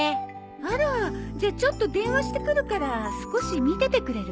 あらじゃあちょっと電話してくるから少し見ててくれる？